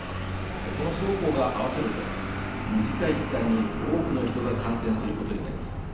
この双方が合わさると短い期間に、多くの人が感染することになります。